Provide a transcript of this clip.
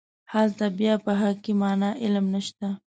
هلته بیا په حقیقي معنا علم نشته.